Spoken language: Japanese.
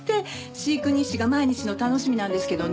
飼育日誌が毎日の楽しみなんですけどね